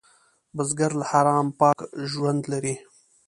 بزګر له حرامه پاک ژوند لري